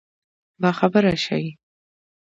باخبره شي.